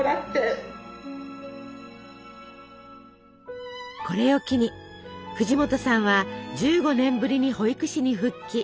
で何か私これを機に藤本さんは１５年ぶりに保育士に復帰。